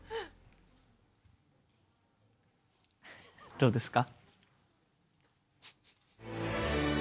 どうですか？